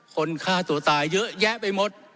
คนฆ่าตัวตายเยอะแยะไปหมด